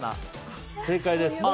正解です。